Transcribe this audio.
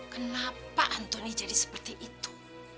kenapa antoni jadi seperti itu